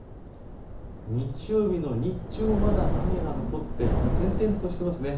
日曜日の日中もまだ雨が残って点々としてますね。